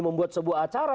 membuat sebuah acara